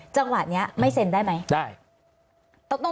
จังหวะนี้ไม่เซ็นได้ไหมได้